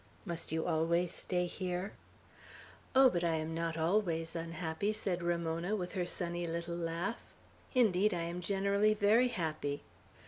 Must you always stay here?" "Oh, but I am not always unhappy!" said Ramona, with her sunny little laugh. "Indeed, I am generally very happy.